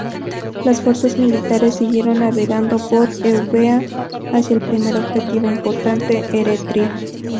Las fuerzas militares siguieron navegando por Eubea hacia el primer objetivo importante: Eretria.